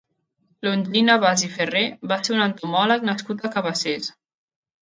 Longí Navàs i Ferrer va ser un entomòleg nascut a Cabassers.